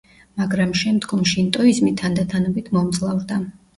მაგრამ შემდგომ შინტოიზმი თანდათანობით მომძლავრდა.